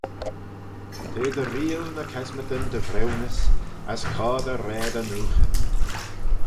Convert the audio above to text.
T'eh dy reayll ny kesmadyn dy vriwnys as coadey raad e nooghyn.